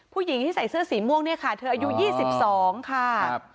ผู้หญิงที่ใส่เสื้อสีม่วงเนี่ยค่ะเธออายุ๒๒ค่ะ